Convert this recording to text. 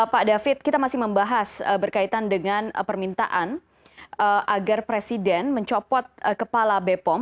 pak david kita masih membahas berkaitan dengan permintaan agar presiden mencopot kepala bepom